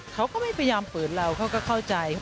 เขาก็ไม่พยายามฝืนเราเขาก็เข้าใจ